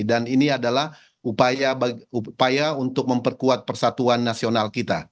dan ini adalah upaya untuk memperkuat persatuan nasional kita